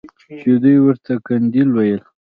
چې دوى ورته قنديل ويل.